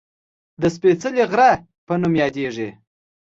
د "سپېڅلي غره" په نوم یادېږي